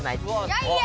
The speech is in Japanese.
いやいや。